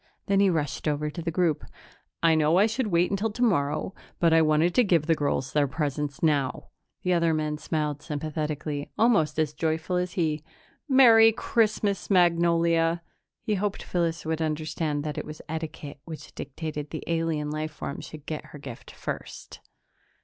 Then he rushed over to the group. "I know I should wait until tomorrow, but I want to give the girls their presents now." The other men smiled sympathetically, almost as joyful as he. "Merry Christmas, Magnolia!" He hoped Phyllis would understand that it was etiquette which dictated that the alien life form should get her gift first.